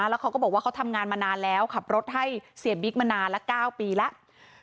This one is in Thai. แล้วเขาก็บอกว่าเขาทำงานมานานแล้วขับรถให้เสียบิ๊กมานานละ๙ปีแล้ว